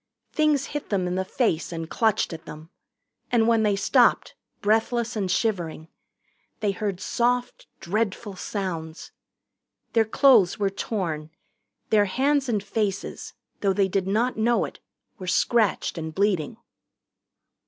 Things hit them in the face and clutched at them. And when they stopped, breathless and shivering, they heard soft dreadful sounds. Their clothes were torn. Their hands and faces, though they did not know it, were scratched and bleeding.